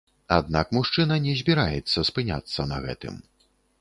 Аднак мужчына не збіраецца спыняцца на гэтым.